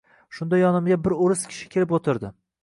Shunda yonimga bir o’ris kishi kelib o’tirdi.